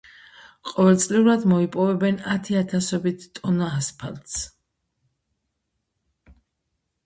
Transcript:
ყოველწლიურად მოიპოვებენ ათი ათასობით ტონა ასფალტს.